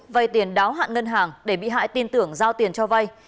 vay tiền đáo hạn ngân hàng để bị hại tin tưởng giao tiền cho vay